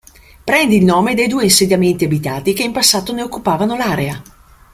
Prende il nome dai due insediamenti abitati che in passato ne occupavano l'area.